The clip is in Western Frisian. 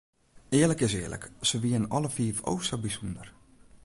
Earlik is earlik, se wienen alle fiif o sa bysûnder.